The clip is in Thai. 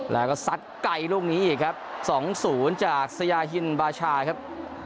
แล้วก็ซัดไกลลูกนี้อีกครับ๒๐จากสยาฮินบาชาครับ